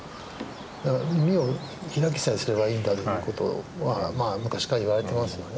だから耳を開きさえすればいいんだという事は昔から言われてますよね。